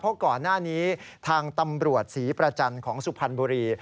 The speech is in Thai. เพราะก่อนหน้านี้ทางตำรวจศรีประจันทร์ของสุพรรณบุรี